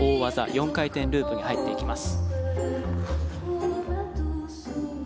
４回転ループに入っていきます。